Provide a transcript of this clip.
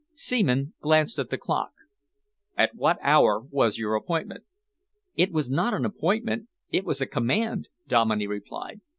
Seaman glanced at the clock. "At what hour was your appointment?" "It was not an appointment, it was a command," Dominey replied.